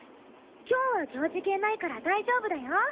今日は行事系ないから大丈夫だよ。